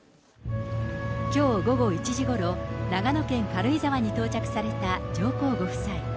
きょう午後１時ごろ、長野県軽井沢に到着された上皇ご夫妻。